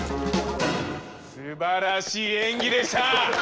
すばらしい演技でした！